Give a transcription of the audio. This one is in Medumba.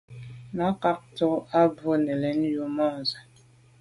Nə̀ cà gə tɔ́k á bû nə̀ lɛ̌n yù môndzə̀.